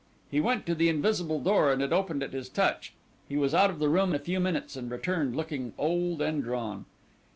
He went to the invisible door and it opened at his touch. He was out of the room a few minutes, and returned looking old and drawn.